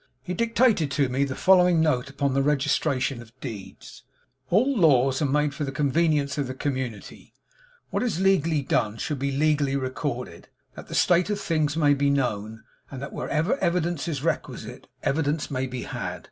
He dictated to me the following note upon the registration of deeds: 'All laws are made for the convenience of the community: what is legally done, should be legally recorded, that the state of things may be known, and that wherever evidence is requisite, evidence may be had.